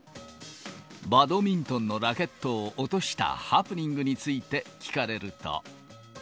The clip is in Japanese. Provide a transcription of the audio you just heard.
バドミントンのラケットを落としたハプニングについて聞かれると。